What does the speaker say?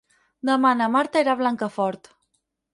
Demà na Marta irà a Blancafort.